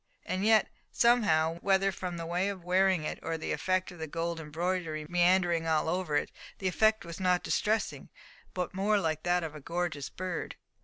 And yet, somehow, whether from the way of wearing it, or from the effect of the gold embroidery meandering over all, the effect was not distressing, but more like that of a gorgeous bird.